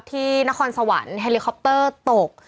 นครสวรรค์เฮลิคอปเตอร์ตก